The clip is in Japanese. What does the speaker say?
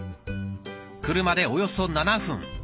車でおよそ７分。